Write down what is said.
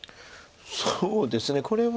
そうですねこれは。